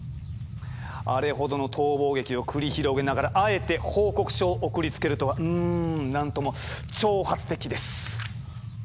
あれほどの逃亡劇を繰り広げながらあえて報告書を送りつけるとはんなんとも挑発的です。